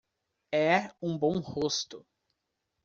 É um bom rosto.